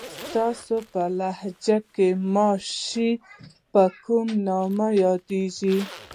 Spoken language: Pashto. ستاسو په لهجه کې ماشې په کوم نوم یادېږي؟